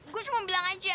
gue cuma bilang aja